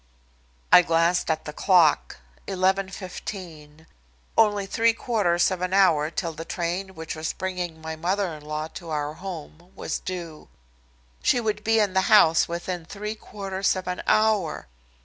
I glanced at the clock 11:15. Only three quarters of an hour till the train which was bringing my mother in law to our home was due! She would be in the house within three quarters of an hour!